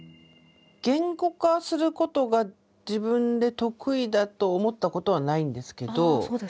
言語化することが自分で得意だと思ったことはないんですけど